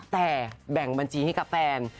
แต่แบ่งบัญชีให้กับแฟน